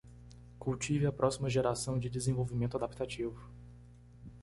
Cultive a próxima geração de desenvolvimento adaptativo